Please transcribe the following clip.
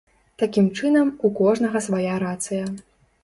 Такім чынам, у кожнага свая рацыя.